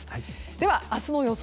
では、明日の予想